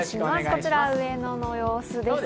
こちら、上野の様子です。